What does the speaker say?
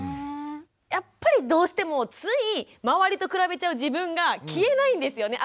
やっぱりどうしてもつい周りと比べちゃう自分が消えないんですよね